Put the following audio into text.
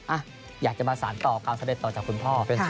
อ่ะอยากจะมาสารต่อความสำเร็จต่อจากคุณพ่อ